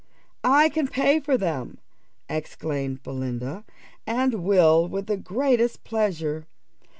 "I can pay for them," exclaimed Belinda, "and will with the greatest pleasure.